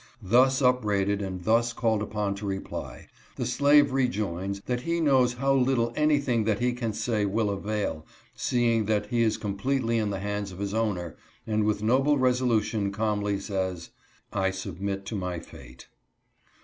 Thus upbraided and thus called upon to reply, the slave rejoins that he knows how little anything that he can say will avail, seeing that Tie is completely in the hands of his owner ; and with noble resolution, calmly says, " I submit to my fate."